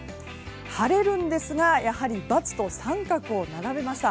晴れるんですがやはり×と△を並べました。